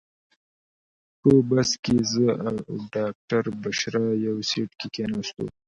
په بس کې زه او ډاکټره بشرا یو سیټ کې کېناستو.